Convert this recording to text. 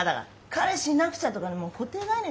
彼氏いなくちゃとかねもう固定概念っていうかね。